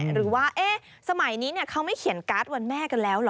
หรือว่าสมัยนี้เขาไม่เขียนการ์ดวันแม่กันแล้วเหรอ